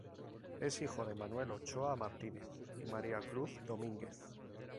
Es hijo de Manuel Ochoa Martínez y María Cruz Domínguez.